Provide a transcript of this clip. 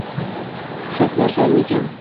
shohlar zolim ekan